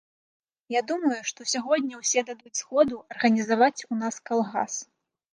Я думаю, што сягоння ўсе дадуць згоду арганізаваць у нас калгас.